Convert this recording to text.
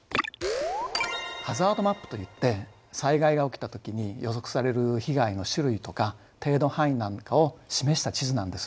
ハザードマップといって災害が起きたときに予測される被害の種類とか程度範囲なんかを示した地図なんです。